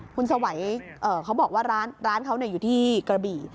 คุณสวัยเขาบอกว่าร้านเขาอยู่ที่กระบี่